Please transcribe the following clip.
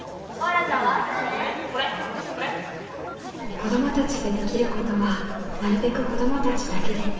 子どもたちでできることはなるべく子どもたちだけで。